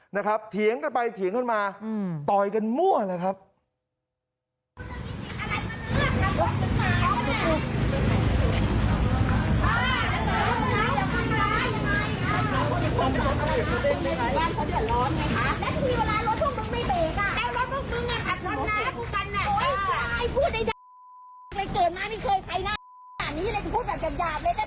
เถียงกันไปเถียงกันมาต่อยกันมั่วเลยครับ